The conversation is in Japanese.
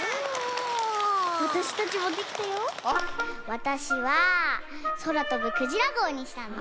わたしはそらとぶクジラごうにしたんだ。